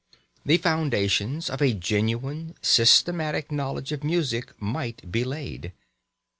The foundations of a genuine, systematic knowledge of music might be laid.